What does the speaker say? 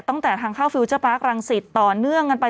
ตั้งแต่ทางเข้าฟิลเจอร์ปาร์ครังสิตต่อเนื่องกันไป